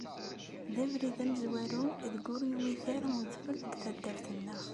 D abrid amezwaru ideg ur yuwit ara udfel deg taddart-nneɣ.